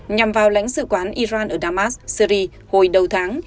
nhằm vào lãnh sự quán iran ở damas syri hồi đầu tháng